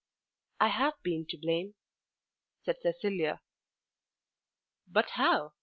"I have been to blame," said Cecilia. "But how?